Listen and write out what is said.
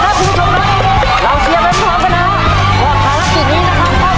นะครับคุณผู้ชมนะครับเราเชียร์เป็นมีความขนาดว่าธนาคิดนี้จะทำได้หรือไม่นะครับ